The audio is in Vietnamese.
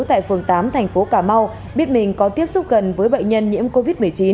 tại phường tám thành phố cà mau biết mình có tiếp xúc gần với bệnh nhân nhiễm covid một mươi chín